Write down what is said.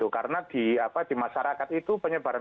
karena di masyarakat itu penyebaran